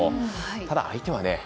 ただ、相手はね。